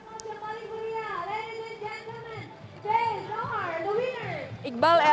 saya bisa menikmati dari sana